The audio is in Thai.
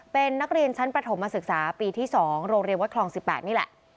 เป็นนักเรียนชั้นประถมมาศึกษาปีที่๒โรงเรียนวัดคลอง๑๘นี่แหละ